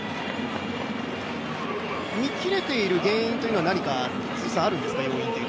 見切れている原因というのは辻さん、何かあるんですか？